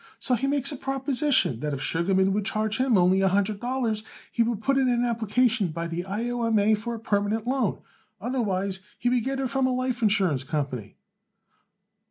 So he makes a proposition that if Sugarman would charge him only a hundred dollars he would put in an application by the I. O. M. A. for a permanent loan. Otherwise he would get it from a life insurance company."